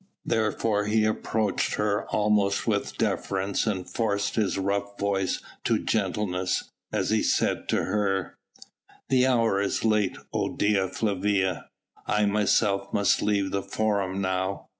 Therefore he approached her almost with deference and forced his rough voice to gentleness, as he said to her: "The hour is late, O Dea Flavia. I myself must leave the Forum now.